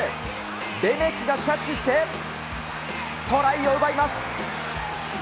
レメキがキャッチして、トライを奪います。